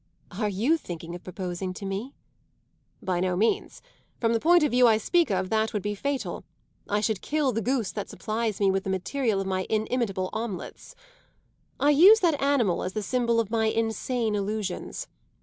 "Are you thinking of proposing to me?" "By no means. From the point of view I speak of that would be fatal; I should kill the goose that supplies me with the material of my inimitable omelettes. I use that animal as the symbol of my insane illusions.